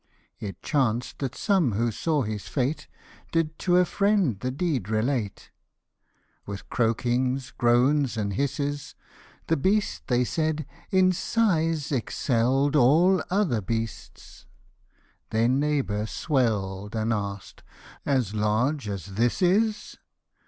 72 It chanced that some who saw his fate, Did to a friend the deed relate, With croakings, groans, and hisses ;" The beast/' said they, " in size excell'd All other beasts/' their neighbour swell'd. And ask'd, " As large as this is